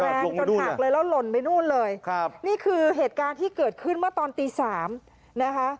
แรงจนหักเลยแล้วหล่นไปนู่นเลยครับนี่คือเหตุการณ์ที่เกิดขึ้นเมื่อตอนตีสามนะคะ